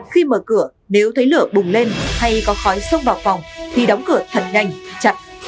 khi mở cửa nếu thấy lửa bùng lên hay có khói xông vào phòng thì đóng cửa thần nhanh chặt